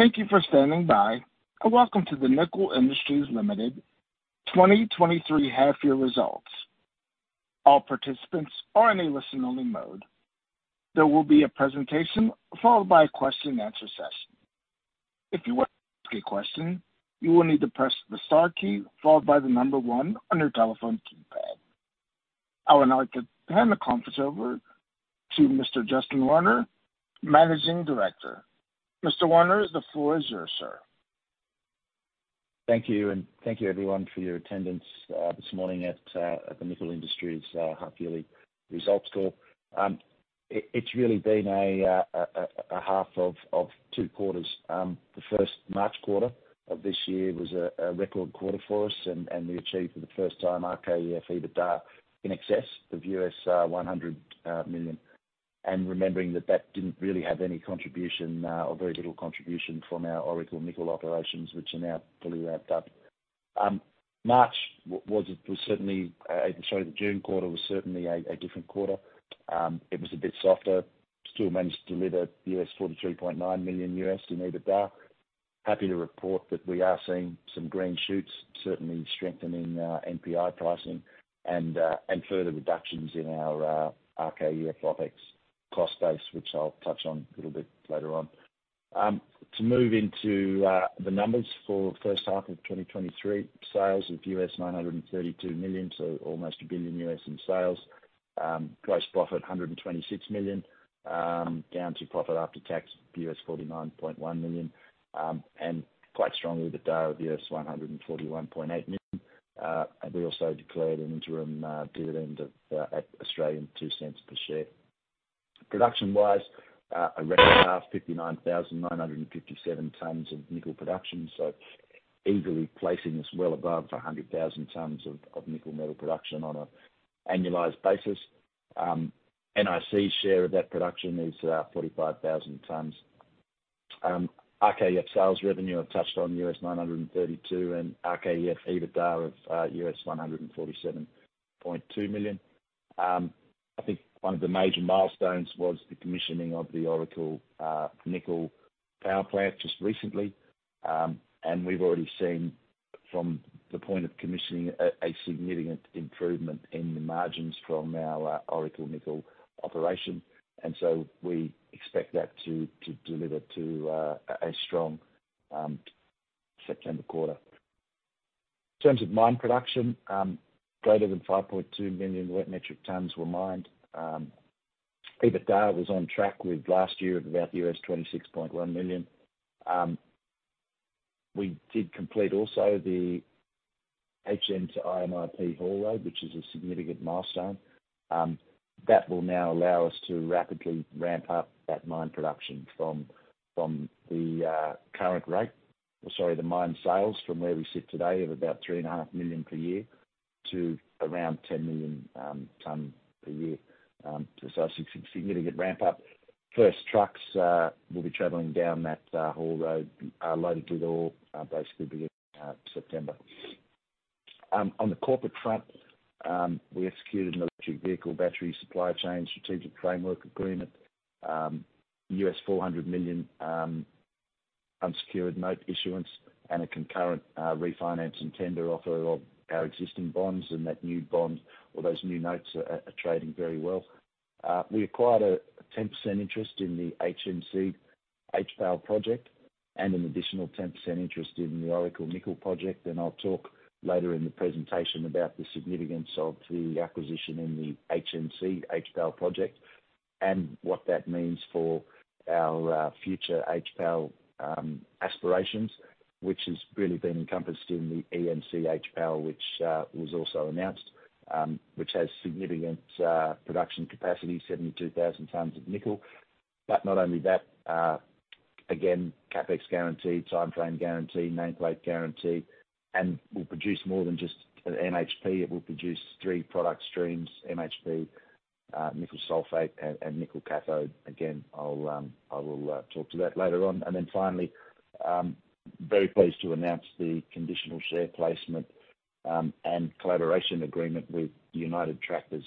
Thank you for standing by, and welcome to the Nickel Industries Limited 2023 half-year results. All participants are in a listen-only mode. There will be a presentation, followed by a question-and-answer session. If you want to ask a question, you will need to press the star key followed by the number one on your telephone keypad. I would like to hand the conference over to Mr. Justin Werner, Managing Director. Mr. Werner, the floor is yours, sir. Thank you, and thank you everyone for your attendance this morning at the Nickel Industries half-yearly results call. It's really been a half of two quarters. The first March quarter of this year was a record quarter for us, and we achieved for the first time RKEF EBITDA in excess of $100 million. Remembering that that didn't really have any contribution, or very little contribution from our Oracle Nickel operations, which are now fully ramped up. The June quarter was certainly, sorry, a different quarter. It was a bit softer. Still managed to deliver $43.9 million in EBITDA. Happy to report that we are seeing some green shoots, certainly strengthening, NPI pricing and, and further reductions in our, RKEF OPEX cost base, which I'll touch on a little bit later on. To move into, the numbers for first half of 2023, sales of $932 million, so almost $1 billion in sales. Gross profit, $126 million. Down to profit after tax, $49.1 million, and quite strongly with EBITDA of $141.8 million. And we also declared an interim, dividend of, 2 cents per share. Production-wise, a record half, 59,957 tons of nickel production, so easily placing us well above 100,000 tons of, of nickel metal production on an annualized basis. NIC's share of that production is 45,000 tons. RKEF sales revenue, I've touched on $932 million, and RKEF EBITDA of $147.2 million. I think one of the major milestones was the commissioning of the Oracle Nickel Power Plant just recently. We've already seen from the point of commissioning a significant improvement in the margins from our Oracle Nickel operation. So we expect that to deliver to a strong September quarter. In terms of mine production, greater than 5.2 million wet metric tons were mined. EBITDA was on track with last year of about $26.1 million. We did complete also the HM to IMIP haul road, which is a significant milestone. That will now allow us to rapidly ramp up that mine production from the current rate, or sorry, the mine sales from where we sit today of about 3.5 million per year to around 10 million tons per year. So a significant ramp up. First trucks will be traveling down that haul road loaded with ore basically September. On the corporate front, we executed an electric vehicle battery supply chain strategic framework agreement, $400 million unsecured note issuance, and a concurrent refinance and tender offer of our existing bonds. And that new bond or those new notes are trading very well. We acquired a 10% interest in the HNC HPAL project and an additional 10% interest in the Oracle Nickel project. I'll talk later in the presentation about the significance of the acquisition in the HNC HPAL project and what that means for our future HPAL aspirations, which has really been encompassed in the ENC HPAL, which was also announced. Which has significant production capacity, 72,000 tons of nickel. But not only that, again, CapEx guaranteed, timeframe guaranteed, nameplate guaranteed, and will produce more than just an MHP. It will produce three product streams, MHP, nickel sulfate, and nickel cathode. Again, I'll talk to that later on. And then finally, I'm very pleased to announce the conditional share placement and collaboration agreement with United Tractors.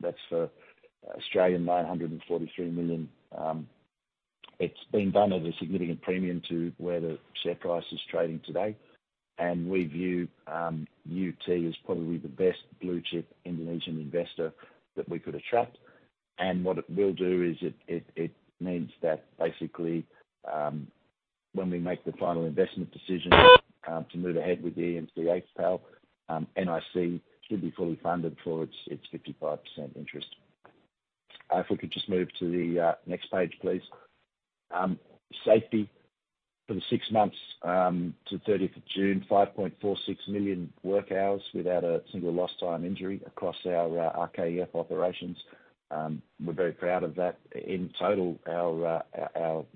That's for 943 million. It's been done at a significant premium to where the share price is trading today, and we view UT as probably the best blue chip Indonesian investor that we could attract. And what it will do is it means that basically, when we make the final investment decision to move ahead with the ENC HPAL, NIC should be fully funded for its 55% interest. If we could just move to the next page, please. Safety for the six months to thirtieth of June, 5.46 million work hours without a single lost time injury across our RKEF operations. We're very proud of that. In total,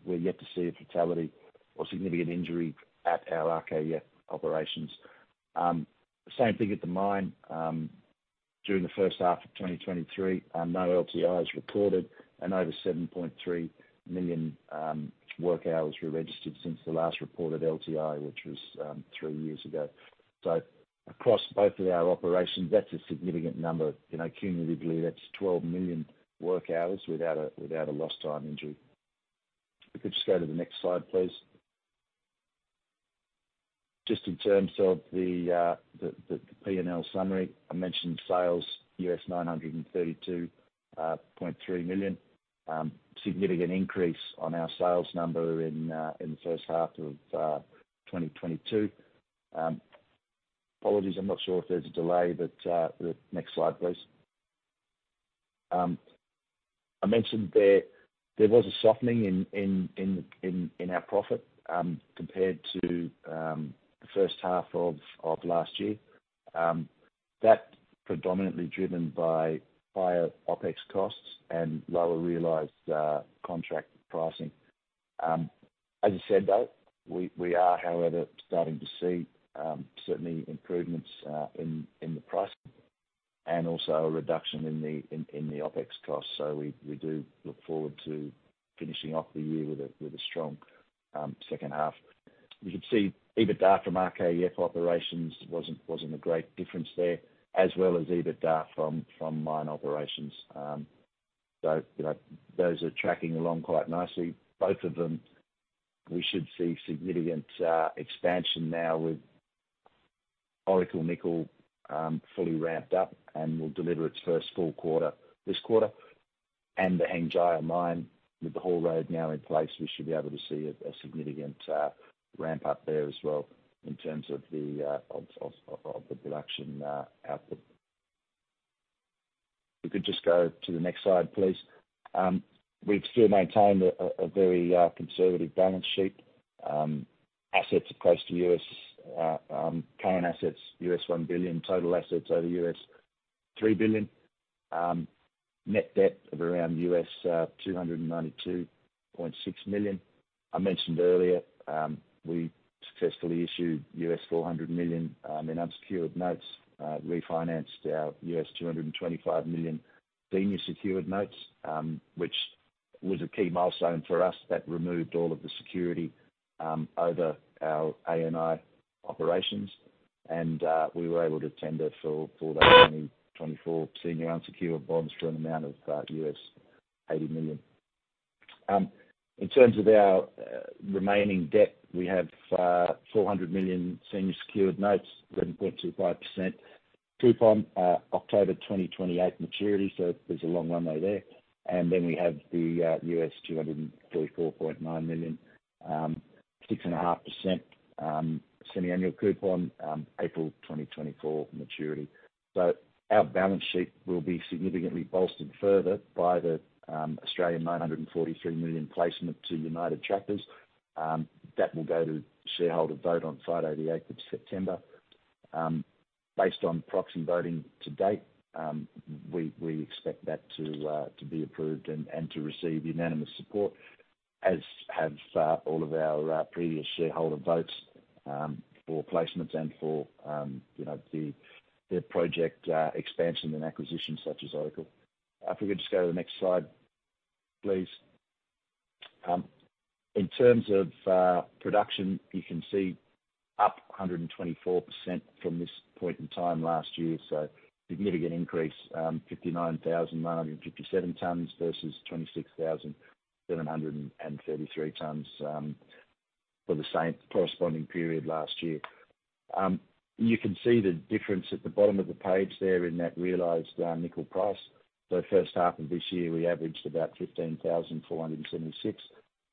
we're yet to see a fatality or significant injury at our RKEF operations. Same thing at the mine. During the first half of 2023, no LTIs recorded, and over 7.3 million work hours were registered since the last reported LTI, which was three years ago. So across both of our operations, that's a significant number. You know, cumulatively, that's 12 million work hours without a, without a lost time injury. If we could just go to the next slide, please. Just in terms of the P&L summary, I mentioned sales $932.3 million. Significant increase on our sales number in the first half of 2022. Apologies, I'm not sure if there's a delay, but the next slide, please. I mentioned there was a softening in our profit compared to the first half of last year. That predominantly driven by higher OPEX costs and lower realized contract pricing. As I said, though, we are, however, starting to see certainly improvements in the pricing and also a reduction in the OPEX costs. So we do look forward to finishing off the year with a strong second half. You can see EBITDA from RKEF operations wasn't a great difference there, as well as EBITDA from mine operations. So, you know, those are tracking along quite nicely, both of them. We should see significant expansion now with Oracle Nickel fully ramped up, and will deliver its first full quarter, this quarter. The Hengjaya Mine, with the haul road now in place, we should be able to see a significant ramp up there as well, in terms of the production output. If you could just go to the next slide, please. We've still maintained a very conservative balance sheet. Assets are close to current assets $1 billion, total assets over $3 billion. Net debt of around $292.6 million. I mentioned earlier, we successfully issued $400 million in unsecured notes, refinanced our $225 million senior secured notes, which was a key milestone for us. That removed all of the security over our ANI operations. We were able to tender for those 2024 senior unsecured bonds to an amount of $80 million. In terms of our remaining debt, we have $400 million senior secured notes, 11.25% coupon, October 2028 maturity, so there's a long runway there. Then we have the $234.9 million, 6.5%, semiannual coupon, April 2024 maturity. So our balance sheet will be significantly bolstered further by the 943 million placement to United Tractors. That will go to shareholder vote on Friday, the eighth of September. Based on proxy voting to date, we expect that to be approved and to receive unanimous support, as have all of our previous shareholder votes for placements and for, you know, the project expansion and acquisition, such as Oracle. If we could just go to the next slide, please. In terms of production, you can see up 124% from this point in time last year, so significant increase, 59,957 tons versus 26,733 tons for the same corresponding period last year. You can see the difference at the bottom of the page there in that realized nickel price. So first half of this year, we averaged about $15,476.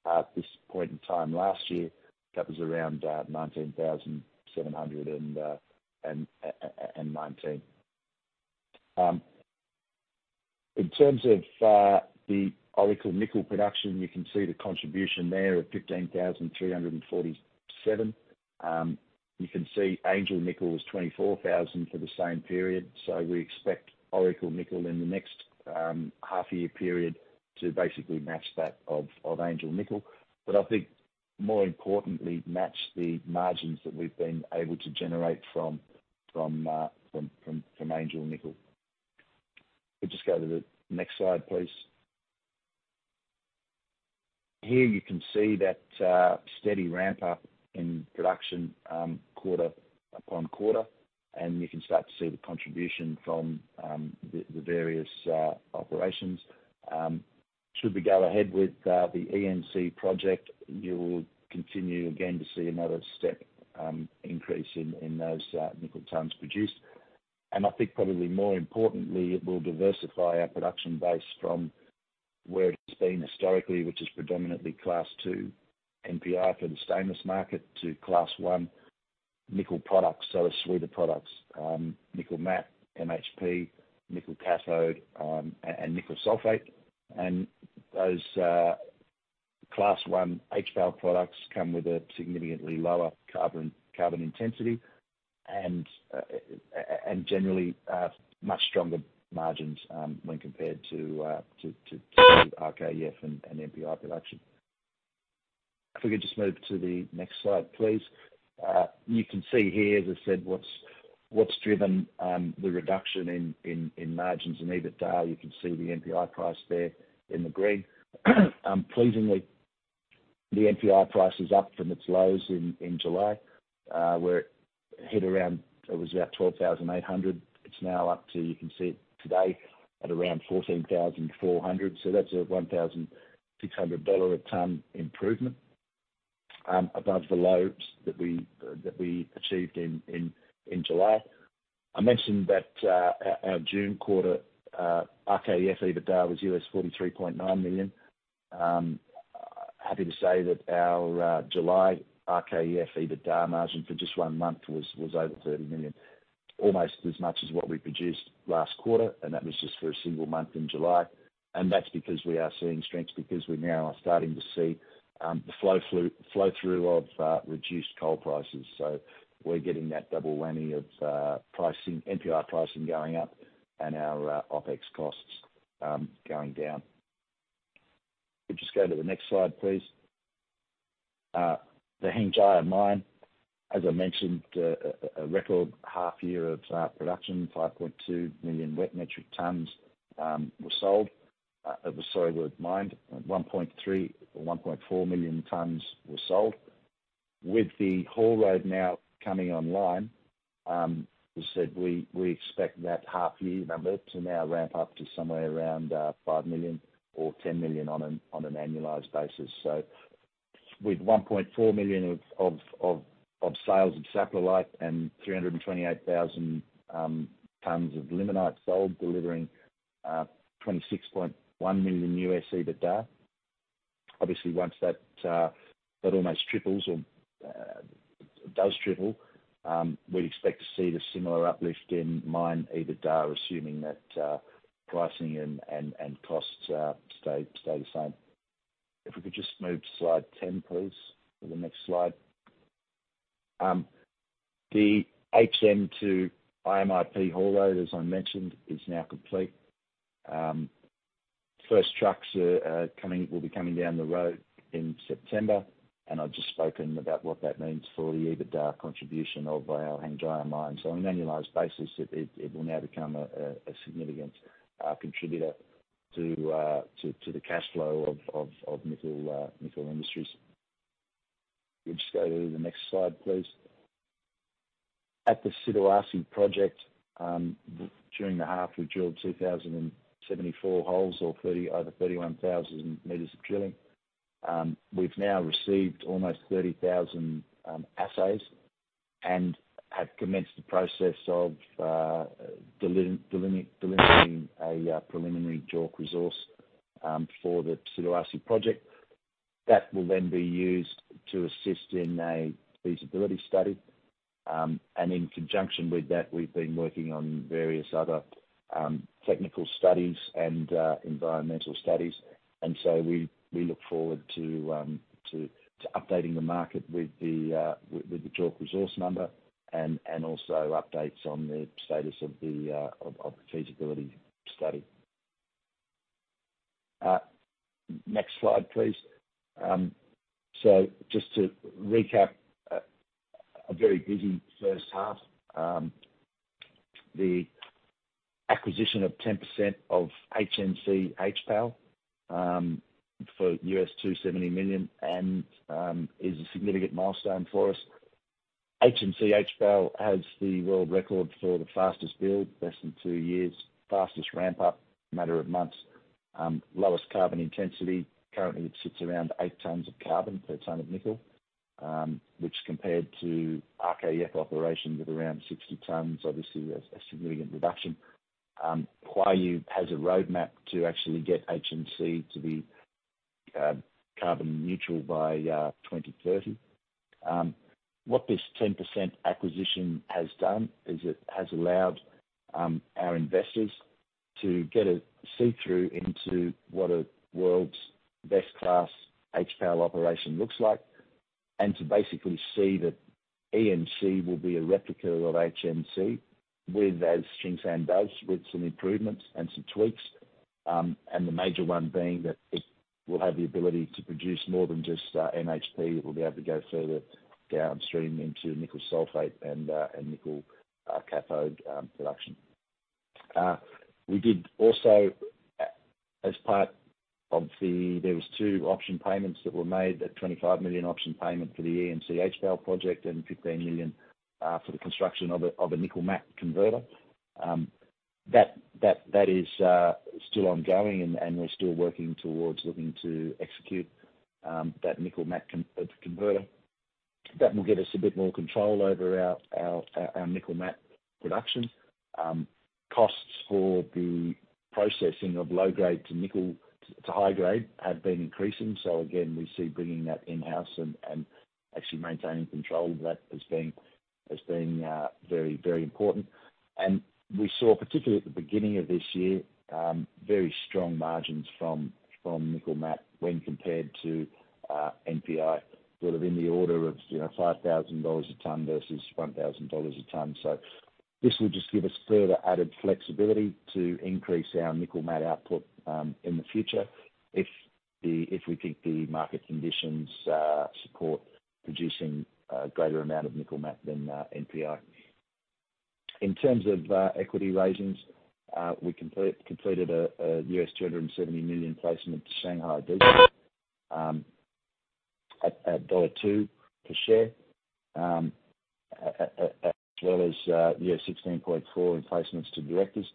At this point in time last year, that was around 19,719. In terms of the Oracle Nickel production, you can see the contribution there of 15,347. You can see Angel Nickel was 24,000 for the same period, so we expect Oracle Nickel in the next half year period, to basically match that of Angel Nickel. But I think more importantly, match the margins that we've been able to generate from Angel Nickel. We just go to the next slide, please. Here you can see that steady ramp up in production quarter upon quarter, and you can start to see the contribution from the various operations. Should we go ahead with the ENC project, you'll continue again to see another step increase in those nickel tons produced. And I think probably more importantly, it will diversify our production base from where it has been historically, which is predominantly Class II NPI for the stainless market, to Class I nickel products, so the sweeter products, Nickel Matte, MHP, Nickel Cathode, and Nickel Sulfate. And those Class I HPAL products come with a significantly lower carbon intensity and generally much stronger margins when compared to RKEF and NPI production. If we could just move to the next slide, please. You can see here, as I said, what's driven the reduction in margins and EBITDA. You can see the NPI price there in the green. Pleasingly, the NPI price is up from its lows in July, where it hit around 12,800. It's now up to, you can see it today, at around 14,400. So that's a $1,600 a ton improvement above the lows that we achieved in July. I mentioned that our June quarter RKEF EBITDA was $43.9 million. Happy to say that our July RKEF EBITDA margin for just one month was over $30 million, almost as much as what we produced last quarter, and that was just for a single month in July. And that's because we are seeing strength, because we now are starting to see the flow through of reduced coal prices. So we're getting that double whammy of pricing, NPI pricing going up and our OPEX costs going down. Could you just go to the next slide, please? The Hengjaya Mine, as I mentioned, a record half year of production, 5.2 million wet metric tons were sold sorry, were mined, 1.3 or 1.4 million tons were sold. With the haul road now coming online, as I said, we expect that half year number to now ramp up to somewhere around 5 million or 10 million on an annualized basis. So with 1.4 million of sales of saprolite and 328,000 tons of limonite sold, delivering $26.1 million EBITDA. Obviously, once that almost triples or does triple, we'd expect to see the similar uplift in mine EBITDA, assuming that pricing and costs stay the same. If we could just move to slide 10, please, or the next slide. The HM to IMIP haul road, as I mentioned, is now complete. First trucks will be coming down the road in September, and I've just spoken about what that means for the EBITDA contribution of our Hengjaya Mine. So on an annualized basis, it will now become a significant contributor to the cash flow of Nickel Industries. We just go to the next slide, please. At the Siduarsi Project, during the half, we drilled 2,074 holes, or over 31,000 meters of drilling. We've now received almost 30,000 assays and have commenced the process of delineating a preliminary JORC resource for the Siduarsi project. That will then be used to assist in a feasibility study, and in conjunction with that, we've been working on various other technical studies and environmental studies. So we look forward to updating the market with the JORC resource number, and also updates on the status of the feasibility study. Next slide, please. So just to recap, a very busy first half. The acquisition of 10% of HNC HPAL for $270 million is a significant milestone for us. HNC HPAL has the world record for the fastest build, less than two years, fastest ramp up, matter of months, lowest carbon intensity. Currently, it sits around 8 tons of carbon per ton of nickel, which compared to RKEF operation with around 60 tons, obviously a significant reduction. Huayou has a roadmap to actually get HNC to be carbon neutral by 2030. What this 10% acquisition has done is it has allowed our investors to get a see-through into what a world's best-class HPAL operation looks like. And to basically see that ENC will be a replica of HNC, with, as Tsingshan does, with some improvements and some tweaks, and the major one being that it will have the ability to produce more than just MHP. It will be able to go further downstream into nickel sulfate and and nickel cathode production. We did also, as part of the. There was two option payments that were made, a $25 million option payment for the ENC HPAL project and $15 million for the construction of a nickel matte converter. That is still ongoing, and we're still working towards looking to execute that nickel matte converter. That will give us a bit more control over our nickel matte production. Costs for the processing of low grade to nickel, to high grade, have been increasing. So again, we see bringing that in-house and actually maintaining control of that as being very, very important. We saw, particularly at the beginning of this year, very strong margins from nickel matte when compared to NPI, sort of in the order of, you know, $5,000 a ton versus $1,000 a ton. So this will just give us further added flexibility to increase our nickel matte output in the future if we think the market conditions support producing a greater amount of nickel matte than NPI. In terms of equity raisings, we completed a $270 million placement to Shanghai Decent at $2 per share. As well as 16.4 in placements to directors,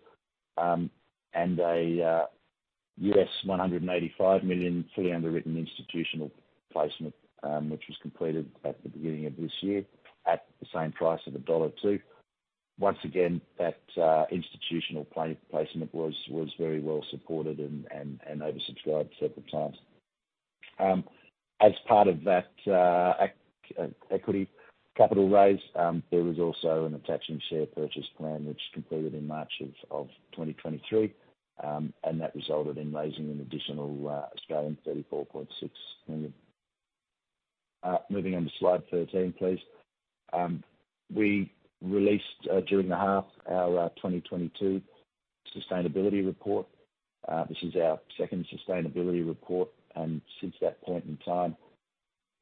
and a $185 million fully underwritten institutional placement, which was completed at the beginning of this year at the same price of AUD 1.02. Once again, that institutional placement was very well supported and oversubscribed several times. As part of that equity capital raise, there was also an attaching share purchase plan which completed in March of 2023, and that resulted in raising an additional 34.6 million. Moving on to slide 13, please. We released, during the half, our 2022 sustainability report. This is our second sustainability report, and since that point in time,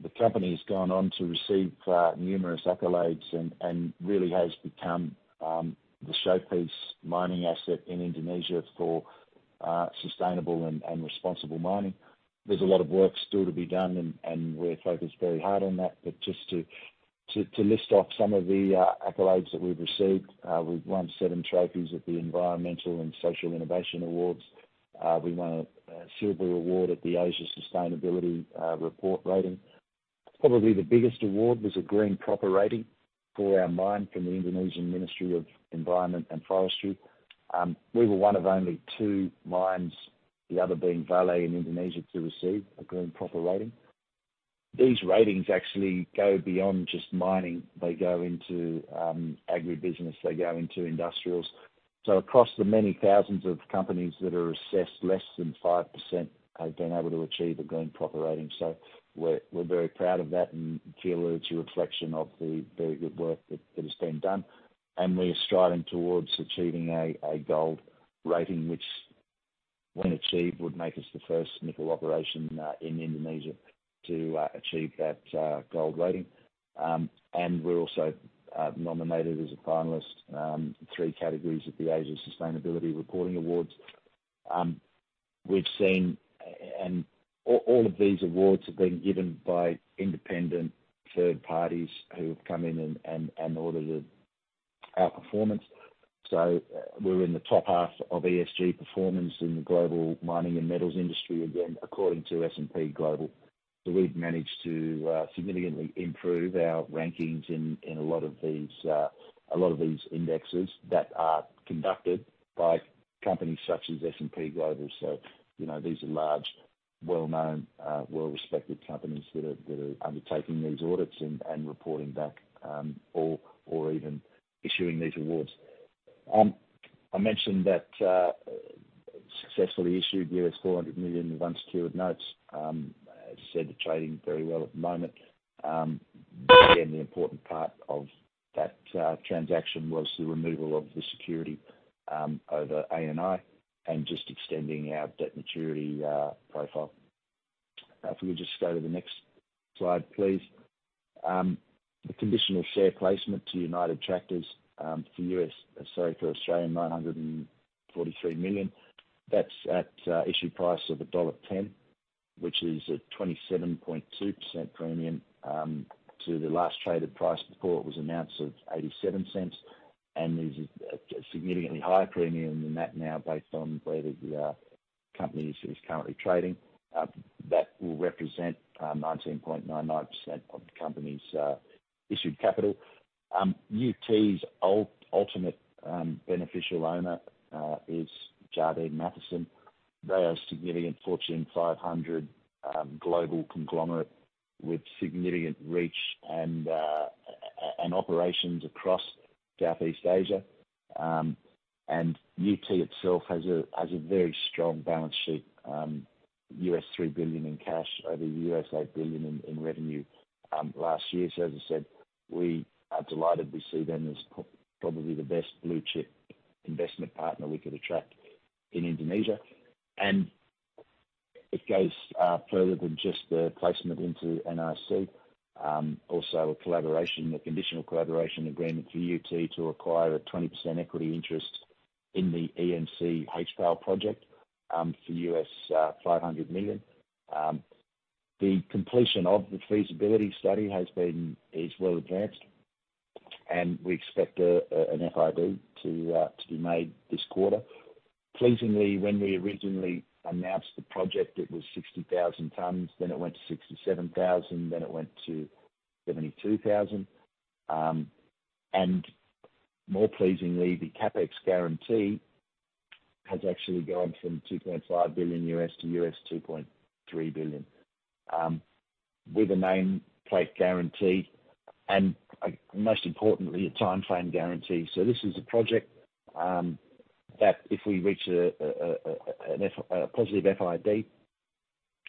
the company has gone on to receive numerous accolades and really has become the showcase mining asset in Indonesia for sustainable and responsible mining. There's a lot of work still to be done, and we're focused very hard on that. But just to list off some of the accolades that we've received, we've won seven trophies at the Environmental and Social Innovation Awards. We won a silver award at the Asia Sustainability Report Rating. Probably the biggest award was a Green PROPER Rating for our mine from the Indonesian Ministry of Environment and Forestry. We were one of only two mines, the other being Vale in Indonesia, to receive a Green PROPER Rating. These ratings actually go beyond just mining. They go into, agribusiness, they go into industrials. So across the many thousands of companies that are assessed, less than 5% have been able to achieve a Green PROPER Rating. So we're very proud of that, and clearly, it's a reflection of the very good work that has been done. And we are striving towards achieving a gold rating, which, when achieved, would make us the first nickel operation in Indonesia to achieve that gold rating. And we're also nominated as a finalist in three categories at the Asia Sustainability Reporting Awards. We've seen, and all of these awards have been given by independent third parties who have come in and audited our performance. So we're in the top half of ESG performance in the global mining and metals industry, again, according to S&P Global. So we've managed to significantly improve our rankings in a lot of these indexes that are conducted by companies such as S&P Global. So, you know, these are large, well-known, well-respected companies that are undertaking these audits and reporting back, or even issuing these awards. I mentioned that successfully issued $400 million of unsecured notes. As I said, they're trading very well at the moment. And the important part of that transaction was the removal of the security over ANI, and just extending our debt maturity profile. If we could just go to the next slide, please. The conditional share placement to United Tractors for 943 million. That's at issue price of dollar 1.10, which is a 27.2% premium to the last traded price before it was announced of 0.87, and is a significantly higher premium than that now, based on where the company is currently trading. That will represent 19.99% of the company's issued capital. UT's ultimate beneficial owner is Jardine Matheson. They are a significant Fortune 500 global conglomerate with significant reach and operations across Southeast Asia. And UT itself has a very strong balance sheet, $3 billion in cash, over $8 billion in revenue last year. So as I said, we are delighted. We see them as probably the best blue chip investment partner we could attract in Indonesia. It goes further than just the placement into NIC. Also a collaboration, a conditional collaboration agreement for UT to acquire a 20% equity interest in the ENC HPAL project for $500 million. The completion of the feasibility study is well advanced, and we expect an FID to be made this quarter. Pleasingly, when we originally announced the project, it was 60,000 tons, then it went to 67,000, then it went to 72,000. And more pleasingly, the CapEx guarantee has actually gone from $2.5 billion to $2.3 billion, with a nameplate guarantee, and most importantly, a timeframe guarantee. So this is a project that if we reach a positive FID,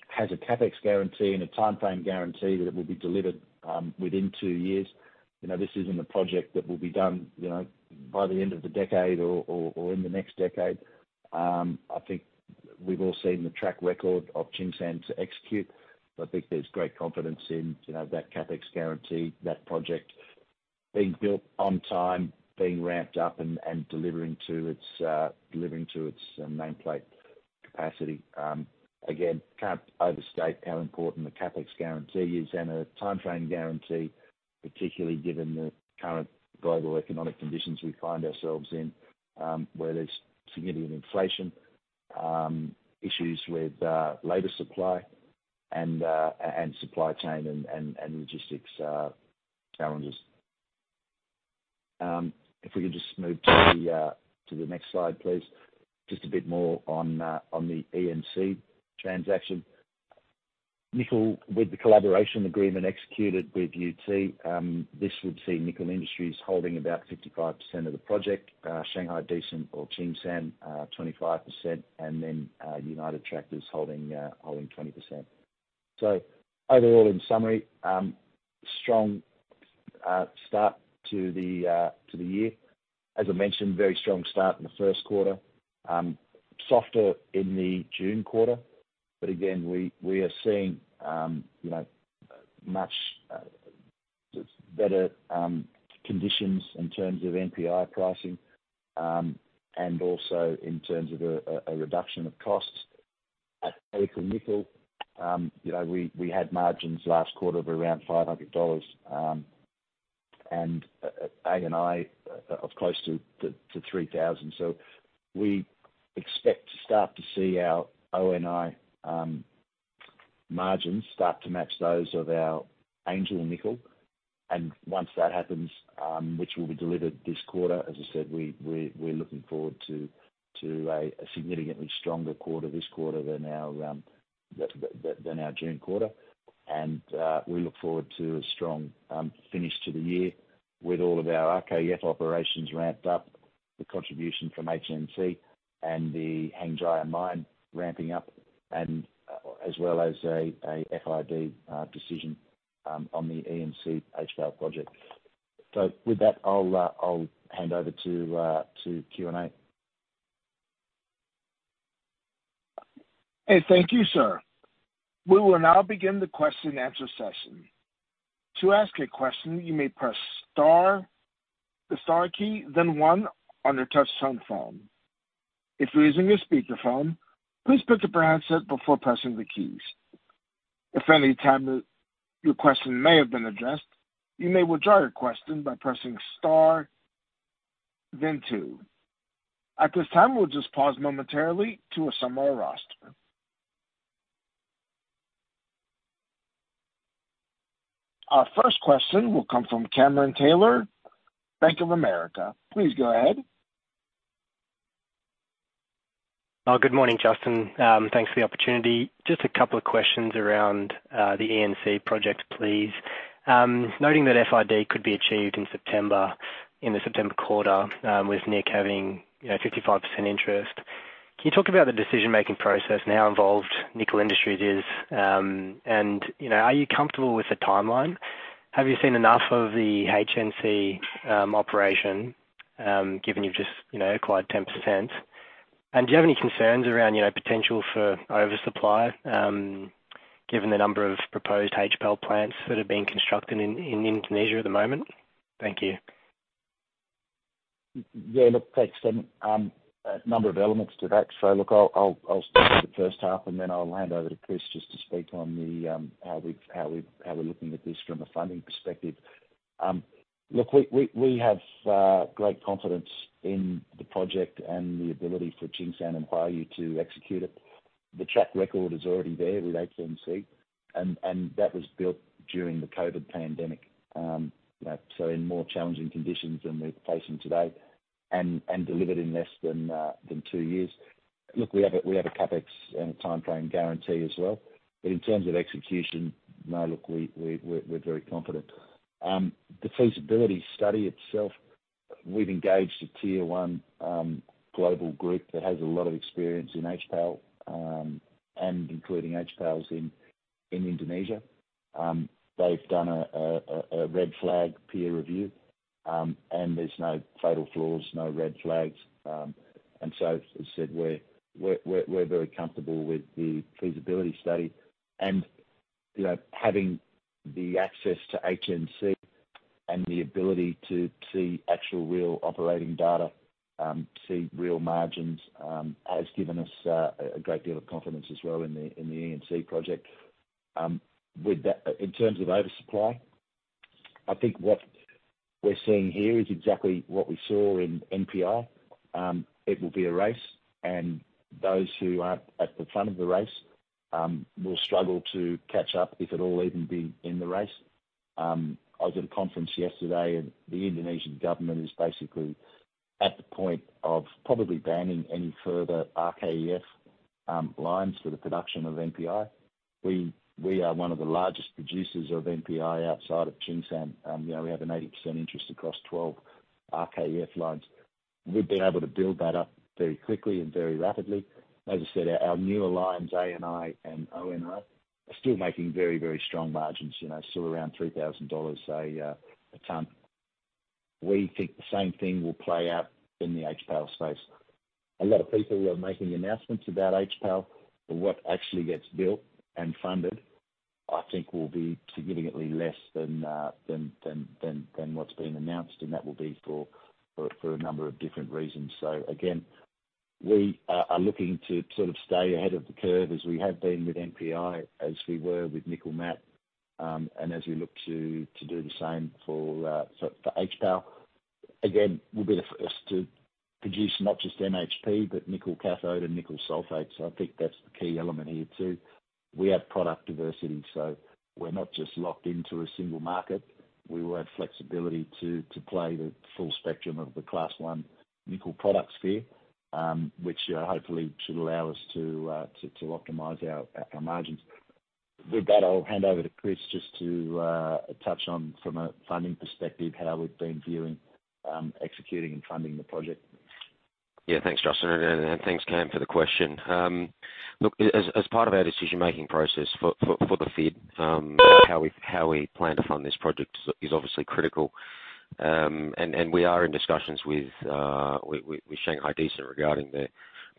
has a CapEx guarantee and a timeframe guarantee that it will be delivered within two years. You know, this isn't a project that will be done, you know, by the end of the decade or in the next decade. We've all seen the track record of Tsingshan to execute. So I think there's great confidence in, you know, that CapEx guarantee, that project being built on time, being ramped up, and delivering to its nameplate capacity. Again, can't overstate how important the CapEx guarantee is and a timeframe guarantee, particularly given the current global economic conditions we find ourselves in, where there's significant inflation, issues with labor supply, and supply chain and logistics challenges. If we could just move to the next slide, please. Just a bit more on the ENC transaction. Nickel, with the collaboration agreement executed with UT, this would see Nickel Industries holding about 55% of the project, Shanghai Decent or Tsingshan, 25%, and then United Tractors holding 20%. So overall, in summary, strong start to the year. As I mentioned, very strong start in the first quarter, softer in the June quarter. But again, we are seeing, you know, much better conditions in terms of NPI pricing, and also in terms of a reduction of costs. At Angel Nickel, you know, we had margins last quarter of around $500, and at ANI of close to $3,000. So we expect to start to see our ONI margins start to match those of our Angel Nickel. And once that happens, which will be delivered this quarter, as I said, we're looking forward to a significantly stronger quarter this quarter than our June quarter. We look forward to a strong finish to the year with all of our RKEF operations ramped up, the contribution from HNC and the Hengjaya Mine ramping up, and as well as a FID decision on the ENC HPAL project. So with that, I'll hand over to Q&A. Hey, thank you, sir. We will now begin the question and answer session. To ask a question, you may press star, the star key, then one on your touchtone phone. If you're using your speakerphone, please pick up your handset before pressing the keys. If at any time your question may have been addressed, you may withdraw your question by pressing star, then two. At this time, we'll just pause momentarily to assemble our roster. Our first question will come from Cameron Taylor, Bank of America. Please go ahead. Good morning, Justin. Thanks for the opportunity. Just a couple of questions around the ENC project, please. Noting that FID could be achieved in September, in the September quarter, with Nick having, you know, 55% interest, can you talk about the decision-making process, and how involved Nickel Industries is? And, you know, are you comfortable with the timeline? Have you seen enough of the HNC operation, given you've just, you know, acquired 10%? And do you have any concerns around, you know, potential for oversupply, given the number of proposed HPAL plants that are being constructed in Indonesia at the moment? Thank you. Yeah, look, thanks. A number of elements to that. So look, I'll start with the first half, and then I'll hand over to Chris just to speak on the how we're looking at this from a funding perspective. Look, we have great confidence in the project and the ability for Tsingshan and Huayou to execute it. The track record is already there with HNC, and that was built during the COVID pandemic, you know, so in more challenging conditions than we're facing today, and delivered in less than two years. Look, we have a CapEx and a timeframe guarantee as well. But in terms of execution, no, look, we're very confident. The feasibility study itself, we've engaged a tier one global group that has a lot of experience in HPAL, and including HPALs in Indonesia. They've done a red flag peer review, and there's no fatal flaws, no red flags. And so as I said, we're very comfortable with the feasibility study. And, you know, having the access to HNC and the ability to see actual real operating data, see real margins, has given us a great deal of confidence as well in the ENC project. With that, in terms of oversupply, I think what we're seeing here is exactly what we saw in NPI. It will be a race, and those who aren't at the front of the race, will struggle to catch up, if at all, even be in the race. I was at a conference yesterday, and the Indonesian government is basically at the point of probably banning any further RKEF, lines for the production of NPI. We are one of the largest producers of NPI outside of Tsingshan, and, you know, we have an 80% interest across 12 RKEF lines. We've been able to build that up very quickly and very rapidly. As I said, our newer lines, ANI and ONI, are still making very, very strong margins, you know, still around $3,000 a ton. We think the same thing will play out in the HPAL space. A lot of people are making announcements about HPAL, but what actually gets built and funded, I think will be significantly less than what's been announced, and that will be for a number of different reasons. So again, we are looking to sort of stay ahead of the curve as we have been with NPI, as we were with nickel matte, and as we look to do the same for HPAL. Again, we'll be the first to produce not just MHP, but nickel cathode and nickel sulfate, so I think that's the key element here, too. We have product diversity, so we're not just locked into a single market. We will have flexibility to play the full spectrum of the Class One nickel product sphere, which hopefully should allow us to optimize our margins. With that, I'll hand over to Chris, just to touch on from a funding perspective, how we've been viewing executing and funding the project. Yeah, thanks, Justin, and thanks, Cam, for the question. Look, as part of our decision-making process for the FID, how we plan to fund this project is obviously critical. And we are in discussions with Shanghai Decent regarding the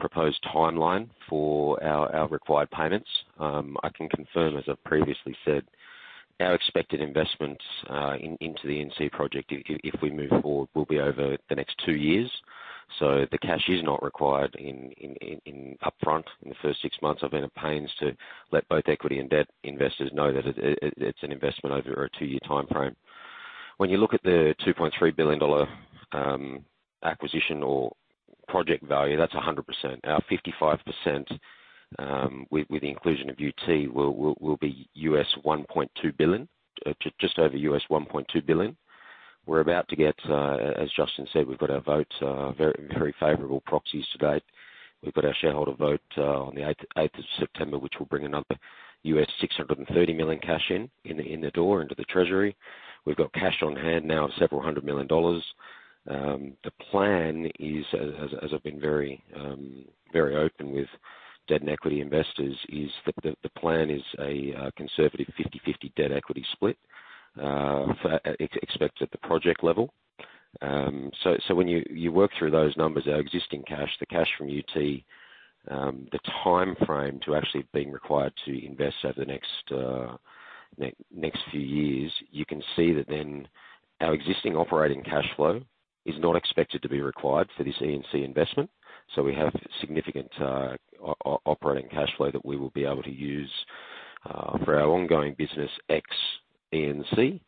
proposed timeline for our required payments. I can confirm, as I've previously said, our expected investments into the ENC project, if we move forward, will be over the next two years. So the cash is not required upfront in the first six months. I've been at pains to let both equity and debt investors know that it's an investment over a 2-year timeframe. When you look at the $2.3 billion acquisition or project value, that's 100%. Our 55%, with the inclusion of UT, will be $1.2 billion, just over $1.2 billion. We're about to get, as Justin said, we've got our vote very favorable proxies to date. We've got our shareholder vote on the 8th of September, which will bring another $630 million cash in the door, into the treasury. We've got cash on hand now of $several hundred million. The plan is, as I've been very open with debt and equity investors, is the plan is a conservative 50/50 debt equity split, for expect at the project level. So, when you work through those numbers, our existing cash, the cash from UT, the timeframe to actually being required to invest over the next few years, you can see that then our existing operating cashflow is not expected to be required for this ENC investment. So we have significant operating cashflow that we will be able to use for our ongoing business, ex ENC.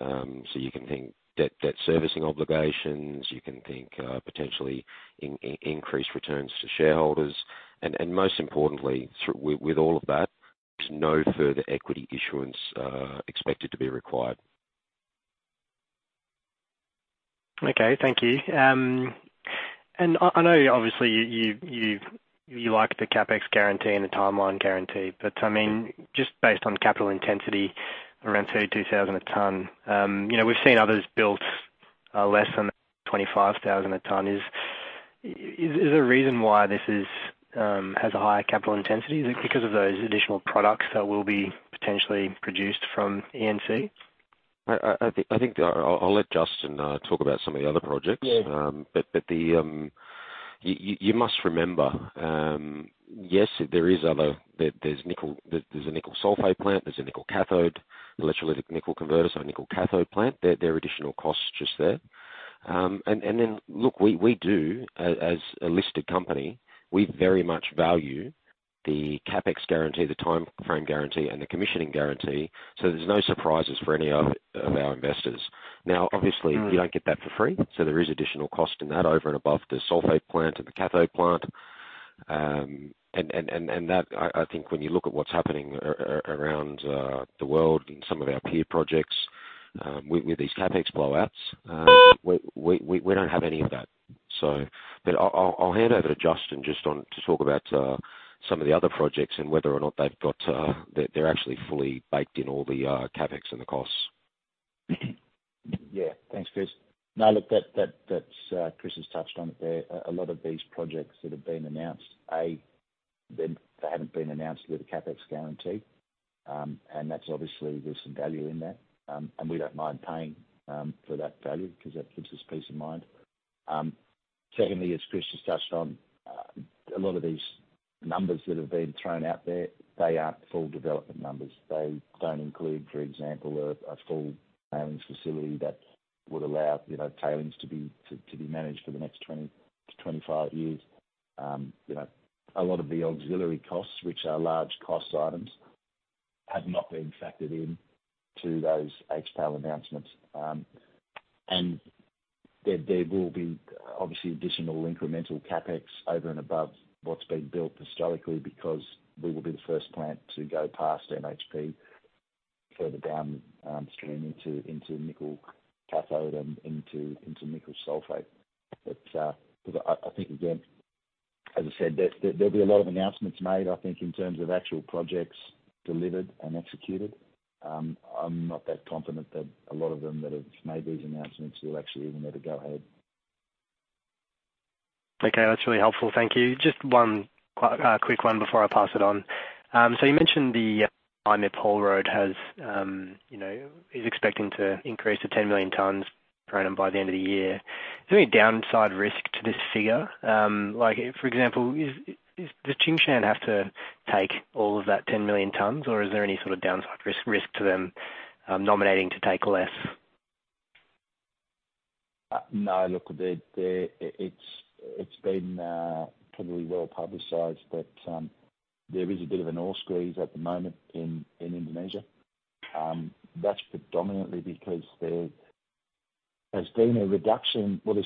So you can think debt, debt servicing obligations, you can think potentially increased returns to shareholders, and most importantly, with all of that, there's no further equity issuance expected to be required. Okay, thank you. I know obviously you like the CapEx guarantee and the timeline guarantee, but I mean, just based on capital intensity, around $2,000 a ton, you know, we've seen others built less than $25,000 a ton. Is there a reason why this has a higher capital intensity? Is it because of those additional products that will be potentially produced from ENC? I think I'll let Justin talk about some of the other projects. Yeah. But you must remember, yes, there's nickel, there's a nickel sulfate plant, there's a nickel cathode, electrolytic nickel converter, so a nickel cathode plant. There are additional costs just there. And then, look, we do as a listed company, we very much value the CapEx guarantee, the timeframe guarantee, and the commissioning guarantee, so there's no surprises for any of our investors. Now, obviously- Mm. You don't get that for free, so there is additional cost in that over and above the sulfate plant and the cathode plant. And that, I think when you look at what's happening around the world in some of our peer projects, with these CapEx blowouts, we don't have any of that. But I'll hand over to Justin just to talk about some of the other projects, and whether or not they've got, they're actually fully baked in all the CapEx and the costs. Yeah. Thanks, Chris. Now, look, that's Chris has touched on it there. A lot of these projects that have been announced, they haven't been announced with a CapEx guarantee, and that's obviously there's some value in that, and we don't mind paying for that value because that gives us peace of mind. Secondly, as Chris has touched on, a lot of these numbers that have been thrown out there, they aren't full development numbers. They don't include, for example, a full tailings facility that would allow, you know, tailings to be managed for the next 20-25 years. You know, a lot of the auxiliary costs, which are large cost items, have not been factored in to those HPAL announcements. And there will be obviously additional incremental CapEx over and above what's been built historically, because we will be the first plant to go past MHP further downstream into Nickel Cathode and into Nickel Sulfate. But I think, again, as I said, there'll be a lot of announcements made, I think, in terms of actual projects delivered and executed. I'm not that confident that a lot of them that have made these announcements will actually even get a go ahead.... Okay, that's really helpful. Thank you. Just one quick one before I pass it on. So you mentioned the mine at Haul Road has, you know, is expecting to increase to 10 million tons per annum by the end of the year. Is there any downside risk to this figure? Like, for example, is, does Tsingshan have to take all of that 10 million tons, or is there any sort of downside risk to them nominating to take less? No. Look, it's been probably well-publicized that there is a bit of an ore squeeze at the moment in Indonesia. That's predominantly because there has been a reduction. Well, there's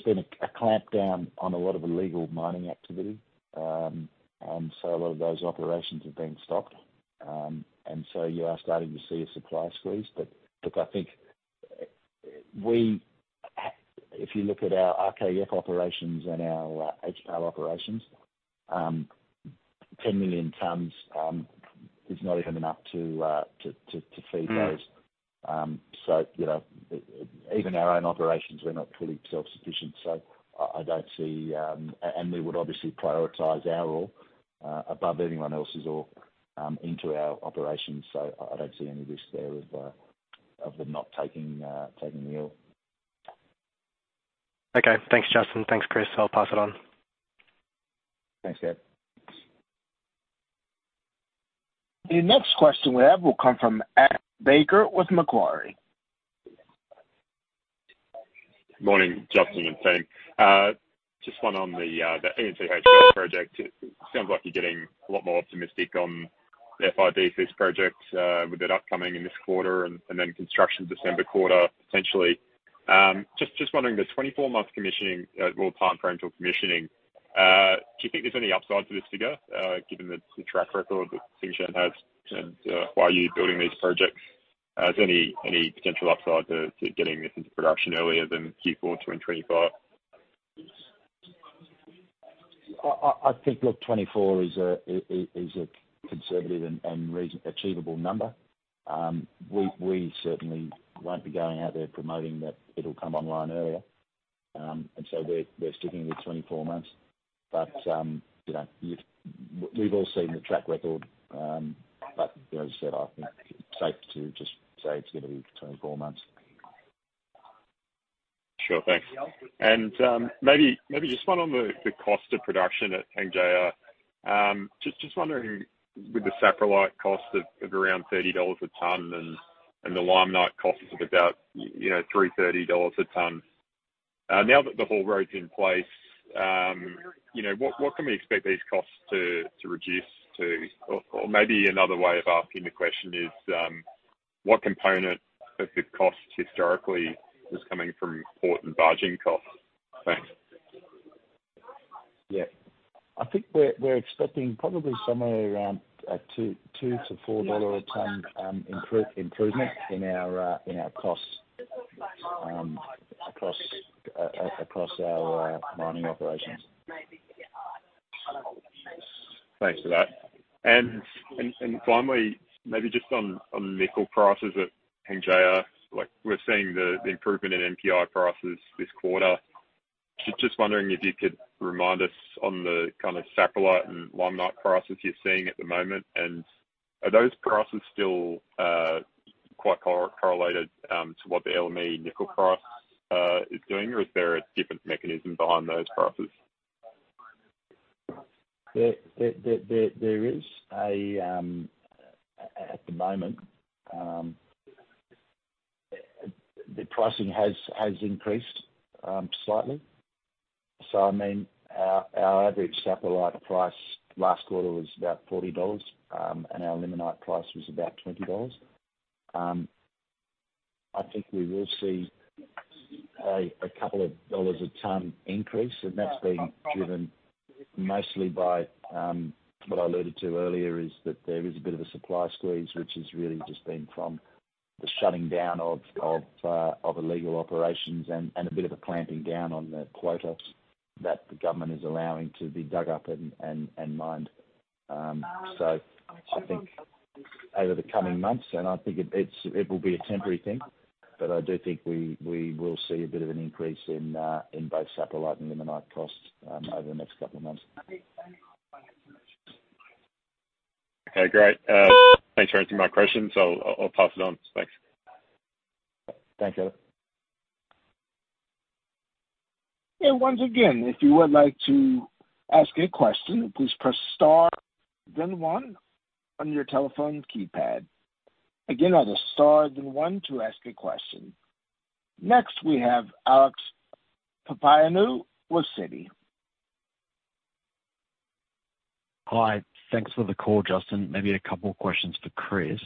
been a clampdown on a lot of illegal mining activity. And so a lot of those operations are being stopped. And so you are starting to see a supply squeeze. But look, I think, if you look at our RKEF operations and our HPAL operations, 10 million tons is not even enough to feed those. Mm-hmm. So, you know, even our own operations, we're not fully self-sufficient, so I, I don't see... and we would obviously prioritize our ore above anyone else's ore into our operations, so I, I don't see any risk there of them not taking the ore. Okay. Thanks, Justin. Thanks, Chris. I'll pass it on. Thanks, Cam. The next question we have will come from Adam Baker with Macquarie. Morning, Justin and team. Just one on the, the ENC project. It sounds like you're getting a lot more optimistic on the FID for this project, with it upcoming in this quarter and, and then construction December quarter, potentially. Just, just wondering, the 24-month commissioning, well, timeframe for commissioning, do you think there's any upside to this figure, given the, the track record that Tsingshan has? And, why are you building these projects? Is there any, any potential upside to, to getting this into production earlier than Q4 2025? I think, look, 2024 is a conservative and reasonable achievable number. We certainly won't be going out there promoting that it'll come online earlier. And so we're sticking with 24 months. But, you know, you've... We've all seen the track record. But as I said, I think it's safe to just say it's gonna be 24 months. Sure. Thanks. And, maybe, maybe just one on the, the cost of production at Hengjaya. Just, just wondering, with the saprolite cost of, of around $30 a ton and, and the limonite costs of about, you know, $330 a ton, now that the haul road's in place, you know, what, what can we expect these costs to, to reduce to? Or, or maybe another way of asking the question is, what component of the cost historically is coming from port and barging costs? Thanks. Yeah. I think we're expecting probably somewhere around a $2-$4 a ton improvement in our costs across our mining operations. Thanks for that. Finally, maybe just on nickel prices at Hengjaya, like, we're seeing the improvement in NPI prices this quarter. Just wondering if you could remind us on the kind of saprolite and limonite prices you're seeing at the moment, and are those prices still quite correlated to what the LME nickel price is doing, or is there a different mechanism behind those prices? There is, at the moment, the pricing has increased slightly. So I mean, our average saprolite price last quarter was about $40, and our limonite price was about $20. I think we will see a couple of dollars a ton increase, and that's being driven mostly by what I alluded to earlier, is that there is a bit of a supply squeeze, which has really just been from the shutting down of illegal operations and a bit of a clamping down on the quotas that the government is allowing to be dug up and mined. So I think over the coming months, and I think it will be a temporary thing, but I do think we will see a bit of an increase in both saprolite and limonite costs over the next couple of months. Okay, great. Thanks for answering my questions. I'll, I'll pass it on. Thanks. Thanks, Adam. Once again, if you would like to ask a question, please press star then one on your telephone keypad. Again, it is star, then one to ask a question. Next, we have Alex Papaioanou with Citi. Hi. Thanks for the call, Justin. Maybe a couple questions for Chris.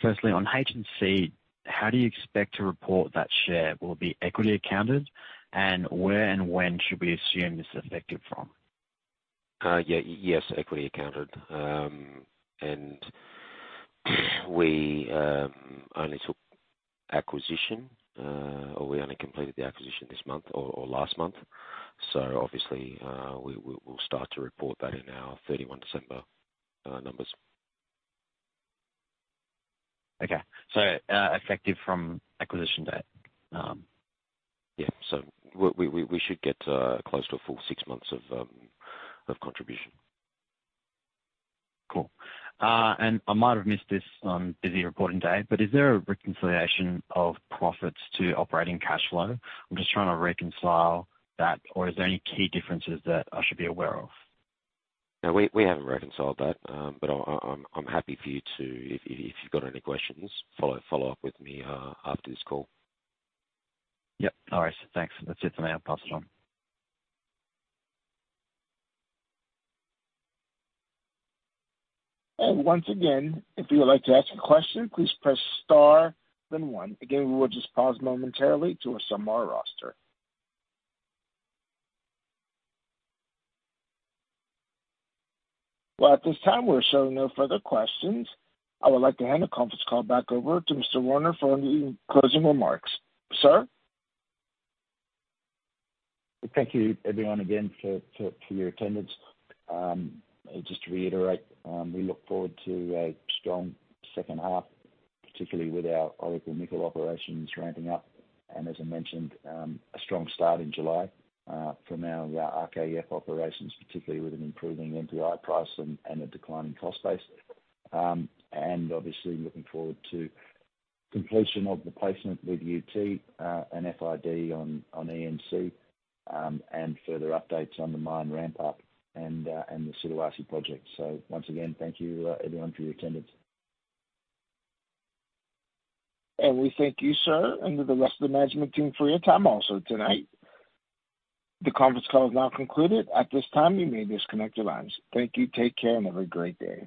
Firstly, on HNC, how do you expect to report that share? Will it be equity accounted? And where and when should we assume this is effective from? Yeah, yes, equity accounted. And, we only took acquisition, or we only completed the acquisition this month or last month. So obviously, we will start to report that in our 31 December numbers.... Okay, so, effective from acquisition date? Yeah. So we should get close to a full six months of contribution. Cool. And I might have missed this on busy reporting day, but is there a reconciliation of profits to operating cash flow? I'm just trying to reconcile that, or is there any key differences that I should be aware of? No, we haven't reconciled that. But I'm happy for you to... If you've got any questions, follow up with me after this call. Yep. All right, thanks. That's it for now. Pass it on. Once again, if you would like to ask a question, please press star then one. Again, we will just pause momentarily till we summon our roster. Well, at this time we're showing no further questions. I would like to hand the conference call back over to Mr. Werner for any closing remarks. Sir? Thank you everyone again for your attendance. Just to reiterate, we look forward to a strong second half, particularly with our Oracle Nickel operations ramping up. As I mentioned, a strong start in July from our RKEF operations, particularly with an improving NPI price and a declining cost base. Obviously looking forward to completion of the placement with UT, and FID on ENC, and further updates on the mine ramp up and the Siduarsi project. Once again, thank you everyone for your attendance. We thank you, sir, and to the rest of the management team for your time also tonight. The conference call is now concluded. At this time, you may disconnect your lines. Thank you, take care, and have a great day.